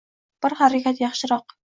Bir harakat yaxshiroq.